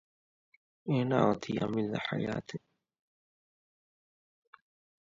އޭނާގެ އޮތީ އަމިއްލަ ޙަޔާތެއް